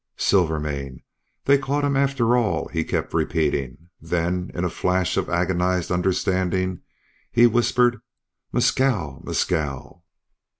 "Silvermane!... they caught him after all!" he kept repeating; then in a flash of agonized understanding he whispered: "Mescal... Mescal!"